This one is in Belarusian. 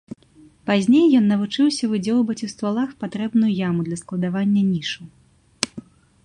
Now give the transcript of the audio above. Пазней ён навучыўся выдзёўбваць ў ствалах патрэбную яму для складавання нішу.